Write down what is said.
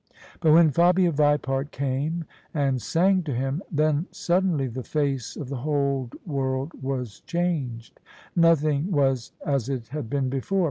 But when Fabia Vipart came and sang to him, then sud denly the face of the whole world was changed. Nothing was as it had been before.